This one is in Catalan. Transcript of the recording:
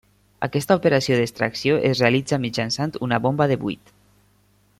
Aquesta operació d'extracció es realitza mitjançant una bomba de buit.